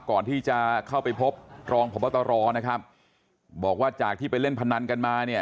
ก่อนที่จะเข้าไปพบรองพบตรนะครับบอกว่าจากที่ไปเล่นพนันกันมาเนี่ย